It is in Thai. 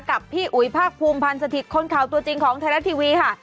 กับพี่อุ๋ยภาคภูมิพันธ์สถิตย์คนข่าวตัวจริงของไทยรัฐทีวีค่ะ